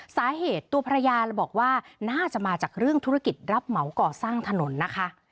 สาเหตุตัวภรรยาบอกว่าน่าจะมาจากเรื่องธุรกิจรับเหมาก่อสร้างถนนนะคะ